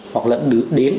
hoặc là đến